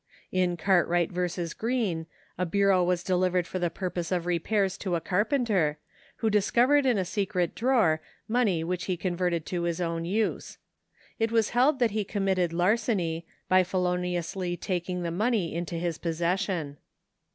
In CartwrigJit v. Green * a bureau was deHvered for the purpose of repairs to a carpenter, who discovered in a secret drawer money which he converted to his own use. It was held that he committed larceny, by feloniously taking the money into his possession.